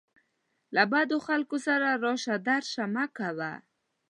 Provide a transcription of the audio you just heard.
له بدو خلکو سره راشه درشه مه کوه